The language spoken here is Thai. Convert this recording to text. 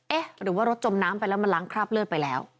หรือว่ารถจมน้ำไปแล้วมันล้างคราบเลือดไปแล้ว